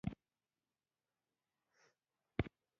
د بیا پیښیدو مخنیوی باید وشي.